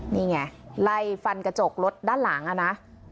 นี่ไงไล่ฟันกระจกรถด้านหลังอะนะ